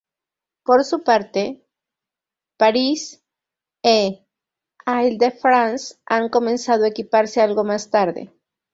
Por su parte, París e Île-de-France han comenzado a equiparse algo más tarde.